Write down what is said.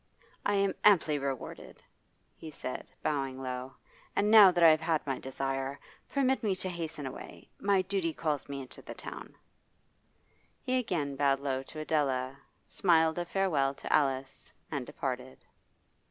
'I am amply rewarded,' he said, bowing low. 'And now that I have had my desire, permit me to hasten away. My duty calls me into the town.' He again bowed low to Adela, smiled a farewell to Alice, and departed.